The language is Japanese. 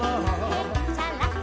「へっちゃらさ」